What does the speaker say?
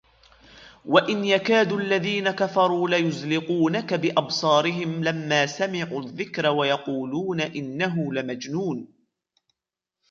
وَإِنْ يَكَادُ الَّذِينَ كَفَرُوا لَيُزْلِقُونَكَ بِأَبْصَارِهِمْ لَمَّا سَمِعُوا الذِّكْرَ وَيَقُولُونَ إِنَّهُ لَمَجْنُونٌ